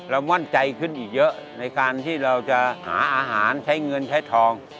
มั่นใจขึ้นอีกเยอะในการที่เราจะหาอาหารใช้เงินใช้ทอง